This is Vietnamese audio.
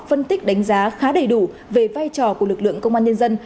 phân tích đánh giá khá đầy đủ về vai trò của lực lượng công an nhân dân